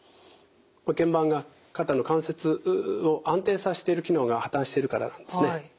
けん板が肩の関節を安定させている機能が破綻しているからなんですね。